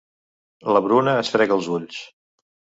La Bruna es frega els ulls.